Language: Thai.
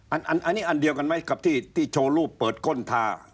อันนี้อันเดียวกันไหมกับที่โชว์รูปเปิดก้นทา